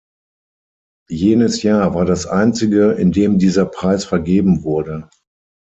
Jenes Jahr war das einzige, in dem dieser Preis vergeben wurde.